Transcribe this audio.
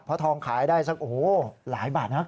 เพราะทองขายได้สักหลายบาทครับ